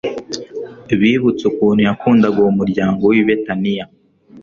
Bibutse ukuntu yakundaga uwo muryango w'i Betaniya,